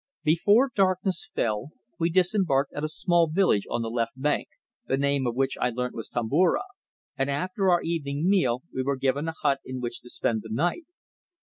Before darkness fell we disembarked at a small village on the left bank, the name of which I learnt was Tomboura, and after our evening meal were given a hut in which to spend the night.